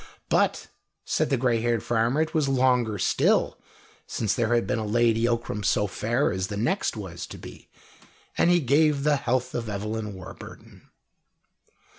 But, said the grey haired farmer, it was longer still since there had been a Lady Ockram so fair as the next was to be, and he gave the health of Evelyn Warburton.